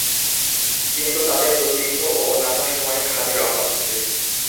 কিন্তু তাদের দুর্ভিক্ষ ও অন্যান্য সময়ে খাদ্যের অভাব ঘটে।